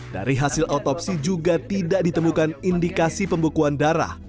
dari hasil autopsi juga tidak ditemukan indikasi pembukuan darah